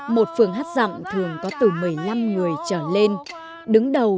một phường hát dạm thường có từ một mươi năm người trở lên